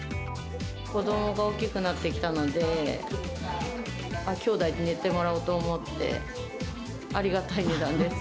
子どもが大きくなってきたので、兄弟で寝てもらおうと思って、ありがたい値段です。